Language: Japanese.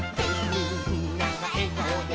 「みんながえがおで」